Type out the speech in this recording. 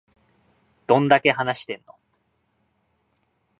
どんだけ話してんの